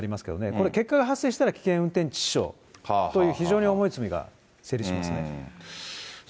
これ、結果が発生したら危険運転致死傷という非常に重い罪が成立しますね。